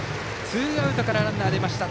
ツーアウトからランナーが出ました。